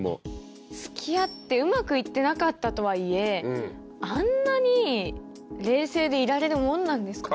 付き合ってうまくいってなかったとはいえあんなに冷静でいられるもんなんですかね？